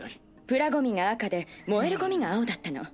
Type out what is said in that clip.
プラゴミが赤で燃えるゴミが青だったの。